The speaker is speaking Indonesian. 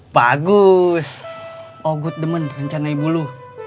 bagus oh good demen rencana ibu lu